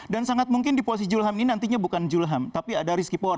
dan sangat mungkin di posisi julham ini nantinya bukan julham tapi ada rizky porra